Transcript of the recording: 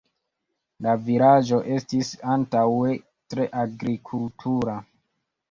La vilaĝo estis antaŭe tre agrikultura.